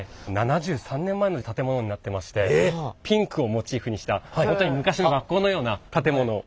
７３年前の建物になってましてピンクをモチーフにした本当に昔の学校のような建物になっております。